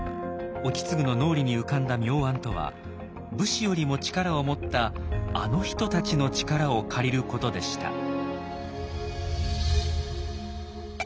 意次の脳裏に浮かんだ妙案とは武士よりも力を持ったあの人たちの力を借りることでした。